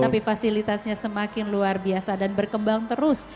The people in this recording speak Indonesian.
tapi fasilitasnya semakin luar biasa dan berkembang terus